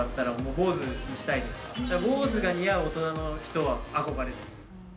坊主が似合う大人の人は憧れです。